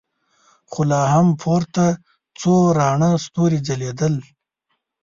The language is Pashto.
خو لا هم پورته څو راڼه ستورې ځلېدل.